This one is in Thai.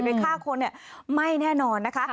ฆ่าคนไม่แน่นอนนะคะ